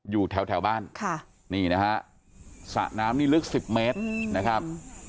อยู่แถวบ้านค่ะนี่นะฮะสระน้ำนี่ลึก๑๐เมตรนะครับ